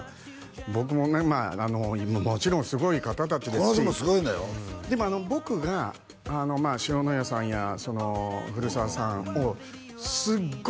僕もねもちろんすごい方達ですしこの人もすごいのよでも僕が塩谷さんや古澤さんをすっごい